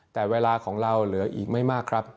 แต่เวลาของเราเหลืออีกไม่มากครับ